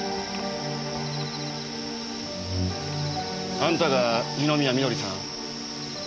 あんたが二宮緑さん？